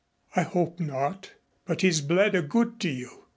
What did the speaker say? "I hope not but he's bled a good deal.